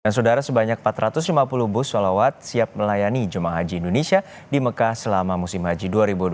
dan saudara sebanyak empat ratus lima puluh bus solawat siap melayani jemaah haji indonesia di mekah selama musim haji dua ribu dua puluh empat